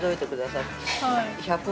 １００！